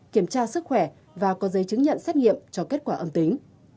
kiểm tra sức khỏe và có giấy chứng nhận xét nghiệm cho kết quả âm tính